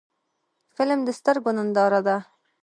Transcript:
فلم د سترګو ننداره ده